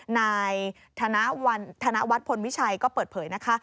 นายธนวัฒนพลวิชัยก็เปิดเผยนะคะ